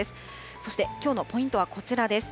そしてきょうのポイントはこちらです。